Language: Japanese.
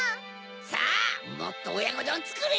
さぁもっとおやこどんつくれ！